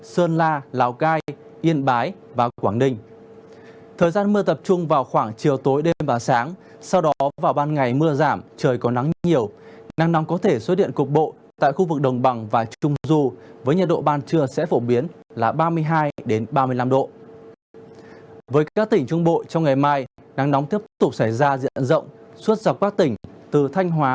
xin chào và hẹn gặp lại các bạn trong các video tiếp theo